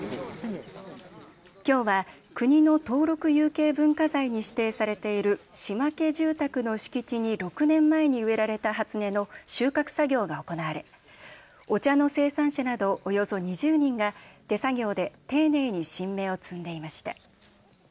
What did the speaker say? きょうは国の登録有形文化財に指定されている島家住宅の敷地に６年前に植えられた初音の収穫作業が行われお茶の生産者などおよそ２０人が手作業で丁寧に新芽を摘んでいました。